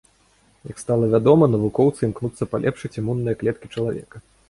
Як стала вядома, навукоўцы імкнуцца палепшыць імунныя клеткі чалавека.